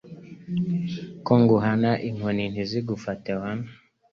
Ko nguhana inkoni ntizigufate wana